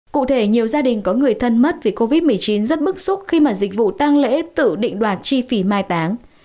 cụ thể nhiều gia đình có người thân mất vì covid một mươi chín rất bức xúc khi mà dịch vụ tăng lễ tự định đoạt chi phí mai táng